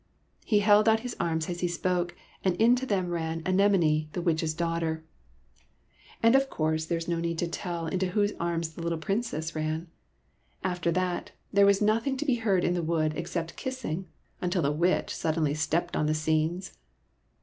He held out his arms as he spoke, and into them ran Anemone, the Witch's daughter, and 7 98 SOMEBODY ELSE'S PRINCE of course there is no need to tell into whose arms the little Princess ran. After that, there was nothing to be heard in the wood except kissing, until the Witch suddenly stepped on the scenes.